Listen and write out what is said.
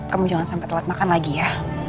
kamu jangan sampai telat makan lagi ya